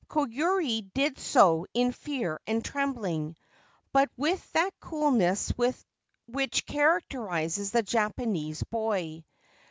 Koyuri did so in fear and trembling, but with that coolness which characterises the Japanese boy.